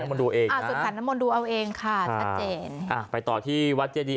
สุดขัดละมนต์ดูเอาเองค่ะสัตว์เจน